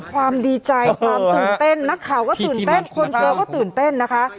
ความดีใจความตื่นเต้นนักข่าวก็ตื่นเต้นคนเจอก็ตื่นเต้นนะคะ